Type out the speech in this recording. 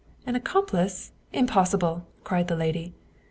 "An accomplice? Impossible!" cried the lady.